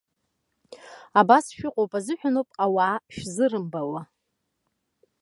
Абас шәыҟоуп азыҳәаноуп ауаа шәзырмаабуа.